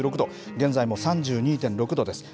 現在も３２．６度です。